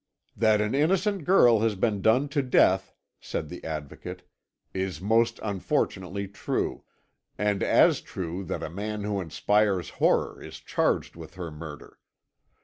"That an innocent girl has been done to death," said the Advocate, "is most unfortunately true, and as true that a man who inspires horror is charged with her murder.